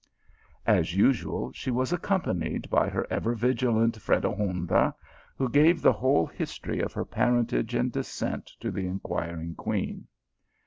^ As usual, she was accompanied by the ever vigi lant Fredegonda, who gave the whole history of her parentage and descent to the inquiring queen.